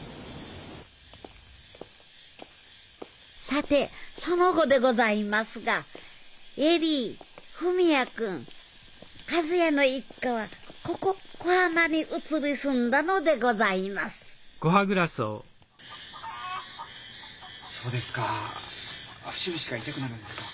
さてその後でございますが恵里文也君和也の一家はここ小浜に移り住んだのでございますそうですか節々が痛くなるんですか？